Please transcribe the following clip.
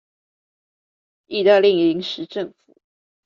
義大利臨時政府